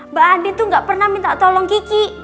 mbak andi tuh gak pernah minta tolong kiki